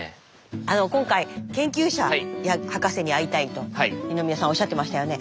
あの今回研究者や博士に会いたいと二宮さんおっしゃってましたよね。